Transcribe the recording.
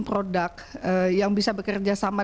produk yang bisa bekerja sama